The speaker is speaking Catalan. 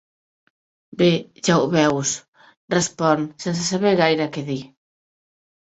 Bé, ja ho veus —respon, sense saber gaire què dir—.